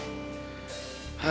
kira kira siapa lagi